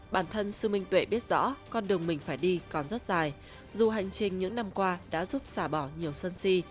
bản thân sư minh tuệ biết rõ con đường mình phải đi còn rất dài dù hành trình những năm qua đã giúp xả bỏ nhiều sân si